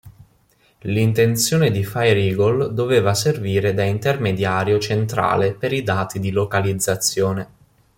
L'intenzione di Fire Eagle doveva servire da intermediario centrale per i dati di localizzazione.